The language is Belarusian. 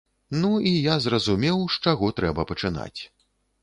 Ну, і я зразумеў, з чаго трэба пачынаць.